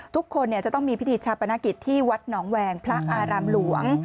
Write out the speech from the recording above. ทุกคนจะต้องมีพิธีชาปนกิจที่วัดหนองแวงพระอารามหลวง